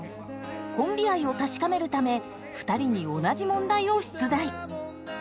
コンビ愛を確かめるため２人に同じ問題を出題！